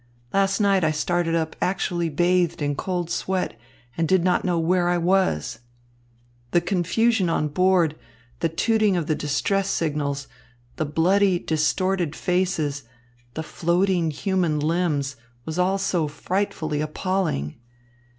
Last night I started up actually bathed in cold sweat, and did not know where I was. The confusion on board, the tooting of the distress signals, the bloody, distorted faces, the floating human limbs, all was so frightfully appalling.